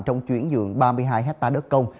trong chuyển dưỡng ba mươi hai hectare đất công